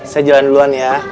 saya jalan duluan ya